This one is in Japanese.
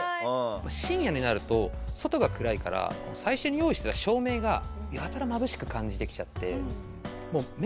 深夜になると外が暗いから最初に用意してた照明がやたらまぶしく感じてきちゃって。